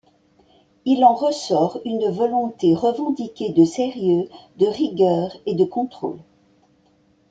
Il en ressort une volonté revendiquée de sérieux, de rigueur et de contrôle.